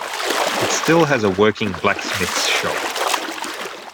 It still has a working blacksmith's shop.